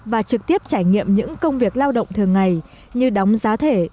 và trực tiếp trải nghiệm những công việc lao động thường ngày như đóng giá thể